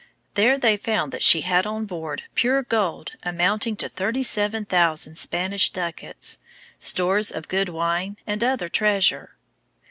There they found that she had on board pure gold amounting to thirty seven thousand Spanish ducats, stores of good wine, and other treasure.